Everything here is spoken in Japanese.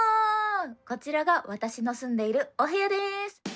こちらが私の住んでいるお部屋です。